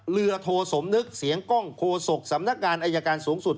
เรือโทสมนึกเสียงกล้องโคศกสำนักงานอายการสูงสุด